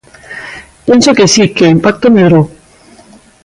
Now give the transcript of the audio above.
Penso que si, que o impacto medrou.